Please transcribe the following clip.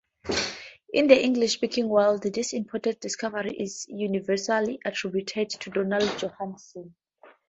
In the English-speaking world, this important discovery is universally attributed to Donald Johanson.